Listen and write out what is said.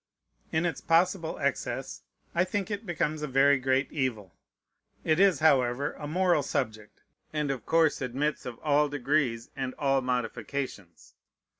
In its possible excess I think it becomes a very great evil. It is, however, a moral subject, and of course admits of all degrees and all modifications.